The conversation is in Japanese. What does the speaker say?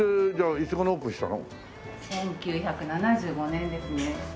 １９７５年ですね。